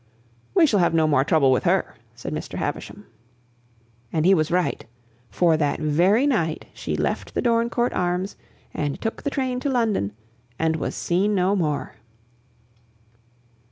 "We shall have no more trouble with her," said Mr. Havisham. And he was right; for that very night she left the Dorincourt Arms and took the train to London, and was seen no more.